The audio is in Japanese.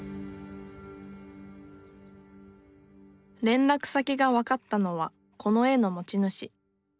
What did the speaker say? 連絡先がわかったのはこの絵の持ち主。